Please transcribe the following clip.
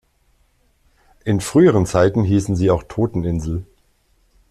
In früheren Zeiten hießen sie auch „Toteninsel“.